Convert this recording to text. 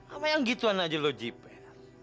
apa yang gituan aja lo jepet